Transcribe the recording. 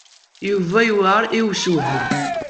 Yuba yewɛeṛ i ussewhem.